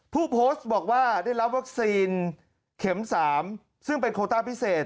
ผู้โพสต์บอกว่าได้รับวัคซีนเข็ม๓ซึ่งเป็นโคต้าพิเศษ